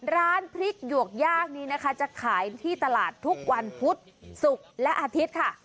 ร้านพริกหยวกยากนี้นะคะจะขายที่ตลาดทุกวันพุธศุกร์และอาทิตย์ค่ะ